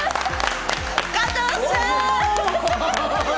加藤さん！